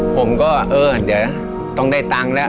ผมก็เออเดี๋ยวต้องได้ตังค์แล้ว